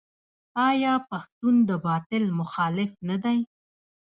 آیا پښتون د باطل مخالف نه دی؟